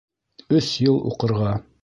Өс йыл уҡырға